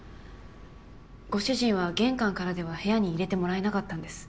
ご主人は玄関からでは部屋に入れてもらえなかったんです。